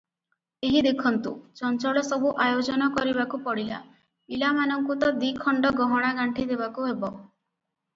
ଏହି ଦେଖନ୍ତୁ, ଚଞ୍ଚଳ ସବୁ ଆୟୋଜନ କରିବାକୁ ପଡ଼ିଲା, ପିଲାମାନଙ୍କୁ ତ ଦିଖଣ୍ଡ ଗହଣାଗାଣ୍ଠି ଦେବାକୁ ହେବ ।